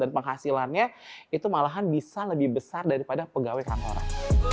dan penghasilannya itu malahan bisa lebih besar daripada pegawai kantoran